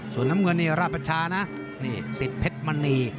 ส่วนน้ำเงินนี่ราชประชานะนี่สิทธิเพชรมณี